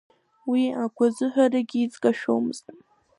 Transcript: Уи агәазыҳәарагьы изкашәомызт.